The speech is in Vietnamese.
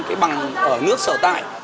cái bằng ở nước sở tại